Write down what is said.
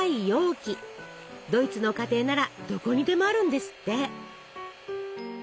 ドイツの家庭ならどこにでもあるんですって。